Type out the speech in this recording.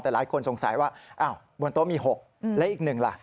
แต่หลายคนสงสัยว่าอ้าวบนโต๊ะมี๖และอีกหนึ่งล่ะ